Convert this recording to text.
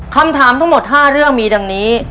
คำถามทั้งหมด๕เรื่องมีดังนี้